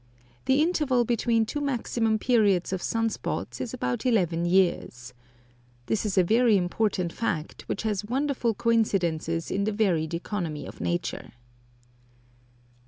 The interval between two maximum periods of sun spots is about eleven years. This is a very important fact, which has wonderful coincidences in the varied economy of nature.